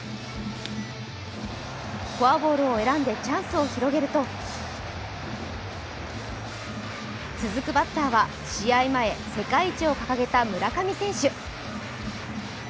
フォアボールを選んでチャンスを広げると続くバッターは試合前世界一を掲げた村上選手。